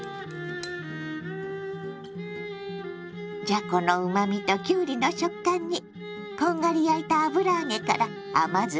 じゃこのうまみときゅうりの食感にこんがり焼いた油揚げから甘酢がジュワー。